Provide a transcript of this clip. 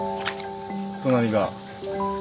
隣が？